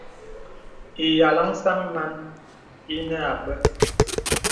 Ìyàlaŋ sàŋ màn ìnə àbə̀.